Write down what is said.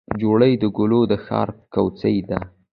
جوړې د ګلو د ښار کوڅې دي